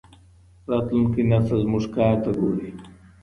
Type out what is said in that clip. راتلونکی نسل زموږ کار ته ګوري.